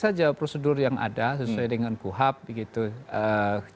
jangan sampai ada kecurigaan dari masyarakat bahwa ini ditarik ke apa namanya kepentingan tahun politik juga